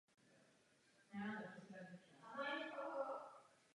Kateřina i po svatbě nadále žila na pražském dvoře.